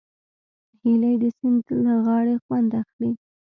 هیلۍ د سیند له غاړې خوند اخلي